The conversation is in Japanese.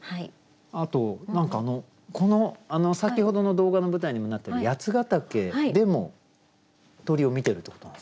あと何か先ほどの動画の舞台にもなってる八ヶ岳でも鳥を見てるってことなんですね？